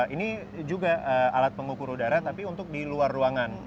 ini juga alat pengukur udara tapi untuk di luar ruangan